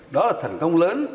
đó là thành công lớn